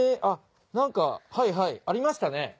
あっ何かはいはいありましたね